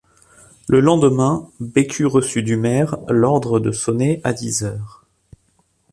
Le lendemain, Bécu reçut du maire l’ordre de sonner à dix heures.